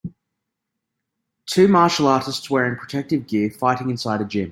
Two martial artists wearing protective gear fighting inside a gym.